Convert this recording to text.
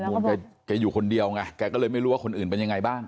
แกอยู่คนเดียวไงแกก็เลยไม่รู้ว่าคนอื่นเป็นยังไงบ้าง